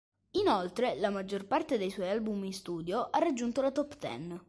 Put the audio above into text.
Inoltre, la maggior parte dei suoi album in studio ha raggiunto la top ten.